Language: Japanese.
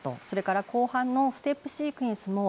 それから、後半のステップシークエンス